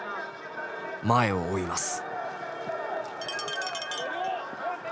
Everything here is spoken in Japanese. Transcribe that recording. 前を追います。